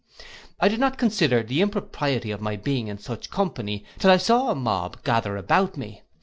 I did not consider the impropriety of my being in such company till I saw a mob gather about me.